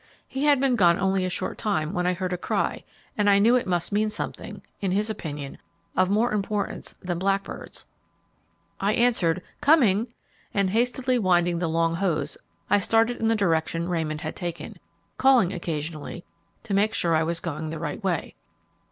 He had been gone only a short time when I heard a cry, and I knew it must mean something, in his opinion, of more importance than blackbirds. I answered "Coming," and hastily winding the long hose, I started in the direction Raymond had taken, calling occasionally to make sure I was going the right way.